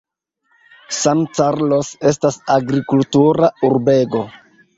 San Carlos estas agrikultura urbego.